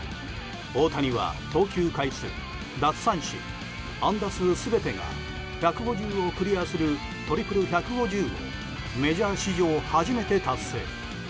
大谷は投球回数、奪三振安打数全てが１５０をクリアするトリプル１５０をメジャー史上初めて達成。